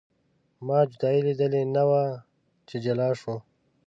ما جدایي لیدلې نه وه چې جلا شو.